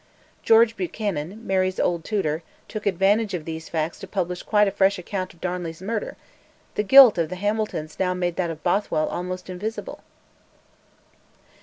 George Buchanan, Mary's old tutor, took advantage of these facts to publish quite a fresh account of Darnley's murder: the guilt of the Hamiltons now made that of Bothwell almost invisible!